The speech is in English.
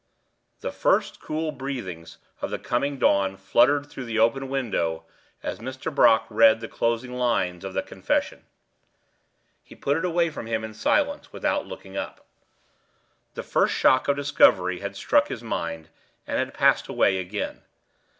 THE first cool breathings of the coming dawn fluttered through the open window as Mr. Brock read the closing lines of the Confession. He put it from him in silence, without looking up. The first shock of discovery had struck his mind, and had passed away again.